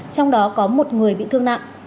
trong đó có một người bị thương nặng